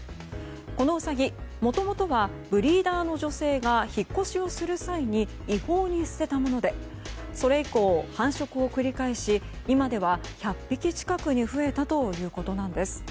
このウサギもともとはブリーダーの女性が引っ越しをする際に違法に捨てたものでそれ以降、繁殖を繰り返し今では１００匹近くに増えたということなんです。